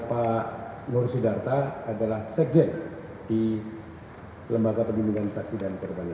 pak nur sidarta adalah sekjen di lembaga pemilikan saksi dan korban ini